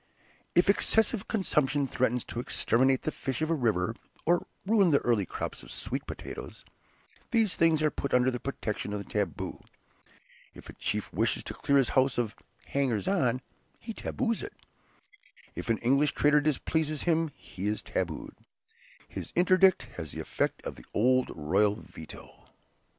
If excessive consumption threatens to exterminate the fish of a river, or ruin the early crop of sweet potatoes, these things are put under the protection of the taboo. If a chief wishes to clear his house of hangers on, he taboos it; if an English trader displeases him he is tabooed. His interdict has the effect of the old royal "veto."